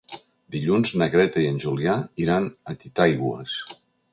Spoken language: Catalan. Dilluns na Greta i en Julià iran a Titaigües.